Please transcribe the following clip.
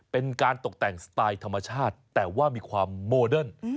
เป็นการตกแต่งสไตล์ธรรมชาติแต่ว่ามีความโมเดิร์น